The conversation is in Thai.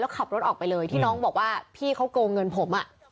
ขับรถออกไปเลยที่น้องบอกว่าพี่เขาโกงเงินผม